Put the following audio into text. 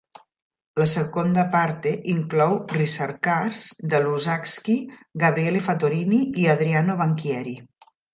La "Seconda parte" inclou ricercars de Luzzaschi, Gabriele Fattorini i Adriano Banchieri.